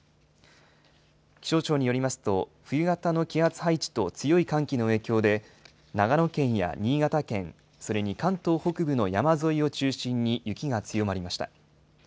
気象庁によりますと、冬型の気圧配置と強い寒気の影響で、長野県や新潟県、それに関東北部の山沿いを中心に雪が強まりました。